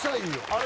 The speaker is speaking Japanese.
あれ？